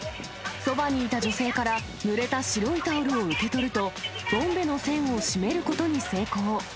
そばにいた女性から、ぬれた白いタオルを受け取ると、ボンベの栓を閉めることに成功。